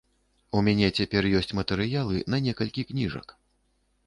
У мяне цяпер ёсць матэрыялы на некалькі кніжак.